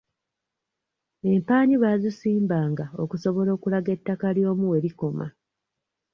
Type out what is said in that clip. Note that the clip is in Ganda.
Empaanyi baazisimbanga okusobola okulaga ettaka ly'omu we likoma.